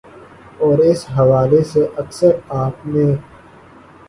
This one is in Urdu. اور اس حوالے سے اکثر آپ نے